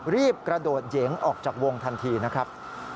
รีบกระโดดเหยิงออกจากวงทันทีนะครับ